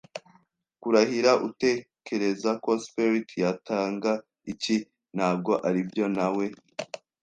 kurahira, utekereza ko sperrit yatanga iki? Ntabwo aribyo! ” na we